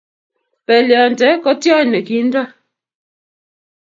belionte ko tyony ne kinto.